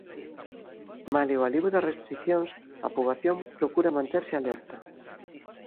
Malia o alivio das restricións, a poboación procura manterse alerta.